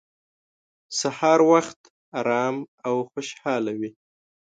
سهار وخت ارام او خوشحاله وي.